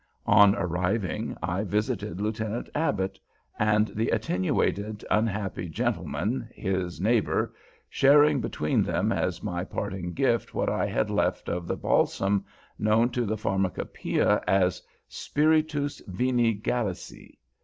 On arriving, I visited Lieutenant Abbott, and the attenuated unhappy gentleman, his neighbor, sharing between them as my parting gift what I had left of the balsam known to the Pharmacopoeia as Spiritus Vini Gallici.